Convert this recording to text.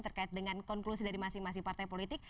terkait dengan konklusi dari masing masing partai politik